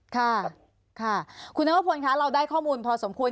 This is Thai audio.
ค่ะค่ะคุณนวพลคะเราได้ข้อมูลพอสมควร